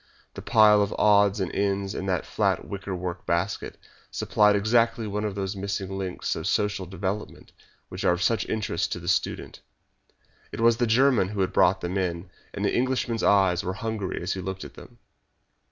The pile of odds and ends in the flat wicker work basket supplied exactly one of those missing links of social development which are of such interest to the student. It was the German who had brought them in, and the Englishman's eyes were hungry as he looked at them.